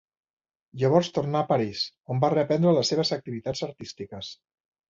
Llavors tornà a París, on va reprendre les seves activitats artístiques.